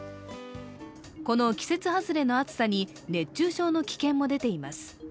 この季節外れの暑さに熱中症の危険も出ています。